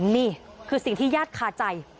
นี่คือสิ่งที่ญาติคาใจ